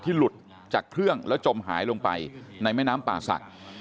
หลุดจากเครื่องแล้วจมหายลงไปในแม่น้ำป่าศักดิ์